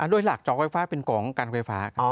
โดยหลักเจาะไฟฟ้าเป็นของการไฟฟ้า